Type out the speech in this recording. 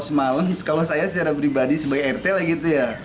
semalam kalau saya secara pribadi sebagai rt lah gitu ya